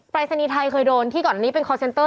รายศนีย์ไทยเคยโดนที่ก่อนอันนี้เป็นคอร์เซ็นเตอร์